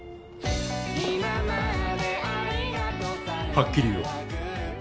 はっきり言おう。